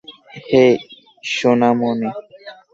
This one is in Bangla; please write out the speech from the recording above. হেই, সোনামণি!